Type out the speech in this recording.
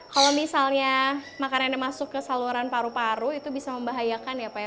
kalau misalnya makanan yang masuk ke saluran paru paru itu bisa membahayakan ya pak ya